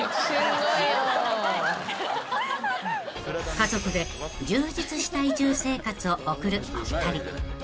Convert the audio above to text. ［家族で充実した移住生活を送るお二人］